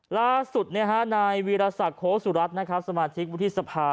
ล่าสุดในวิทยาศาสตร์โฮสุรัสตร์สมาธิกษ์วุฒิสภา